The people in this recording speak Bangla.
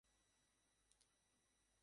তিনি মক্কা থেকে বাড়ি ফিরে আসেন।